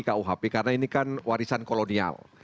kuhp karena ini kan warisan kolonial